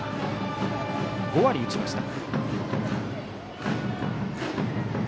５割打ちました。